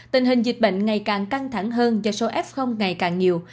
tình hình dịch bệnh ngày càng căng thẳng hơn do số f ngày càng nhiều